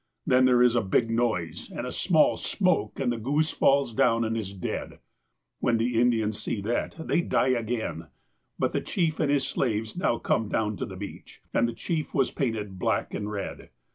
Then there is a big noise, and a small smoke, and the goose falls down, and is dead. When the Indians see that, they '■ die ' again. But the chief and his slaves now come down to the beach. And the chief was painted black and red.